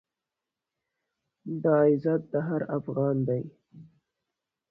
دا عزت د هر افــــغـــــــان دی،